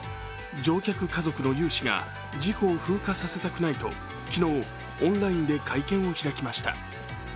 乗客家族の有志が事故を風化させたくないと昨日、オンラインで会見を開きました。